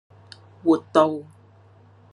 活道